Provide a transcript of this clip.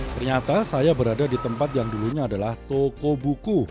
ternyata saya berada di tempat yang dulunya adalah toko buku